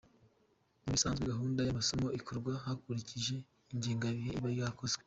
Mu bisanzwe, gahunda y’amasomo ikorwa hakurikije ingengabihe iba yakozwe.